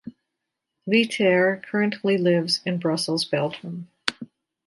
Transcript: Lietaer currently lives in Brussels, Belgium.